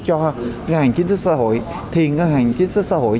cho ngân hàng chính sách xã hội